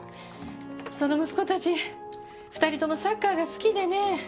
その息子たち２人ともサッカーが好きでね。